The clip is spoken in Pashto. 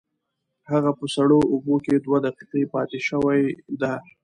هغه په سړو اوبو کې دوه دقیقې پاتې شوې ده.